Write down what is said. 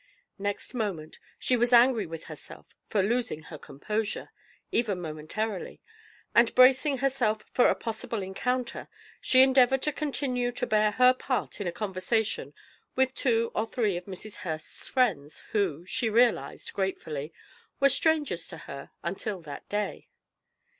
Next moment she was angry with herself for losing her composure, even momentarily, and bracing herself for a possible encounter, she endeavoured to continue to bear her part in a conversation with two or three of Mrs. Hurst's friends, who, she realized gratefully, were strangers to her until that day.